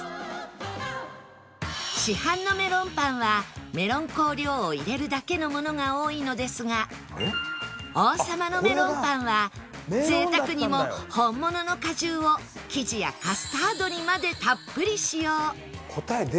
市販のメロンパンはメロン香料を入れるだけのものが多いのですが王様のメロンパンは贅沢にも本物の果汁を生地やカスタードにまでたっぷり使用